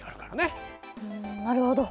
んなるほど。